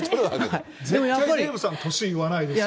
絶対デーブさん、年言わないですよね。